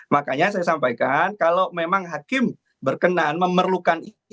makanya saya sampaikan kalau memang hakim berpikir maka kita harus mencari informasi yang terpenting untuk memperbaiki hal ini